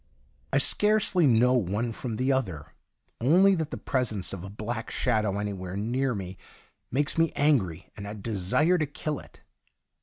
I scarcely know one from the other, only that the presence of a black shadow anj'where near me makes me angry, and I desire to kill it.